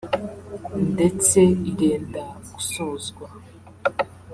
ndetse irenda gusozwa